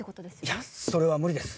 いやそれは無理です。